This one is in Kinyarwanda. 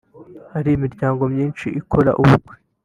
Hari imiryango myinshi ikora ubukwe